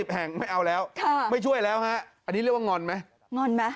แห่งไม่เอาแล้วไม่ช่วยแล้วฮะอันนี้เรียกว่างอนไหมงอนไหม